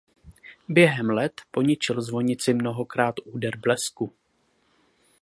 Během let poničil zvonici mnohokrát úder blesku.